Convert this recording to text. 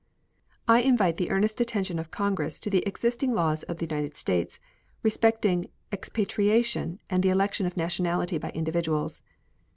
I invite the earnest attention of Congress to the existing laws of the United States respecting expatriation and the election of nationality by individuals.